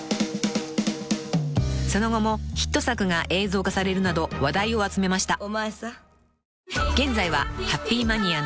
［その後もヒット作が映像化されるなど話題を集めました］